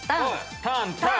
タンタン。